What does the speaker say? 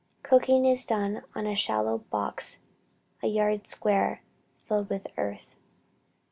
Cooking is done on a shallow box a yard square, filled with earth.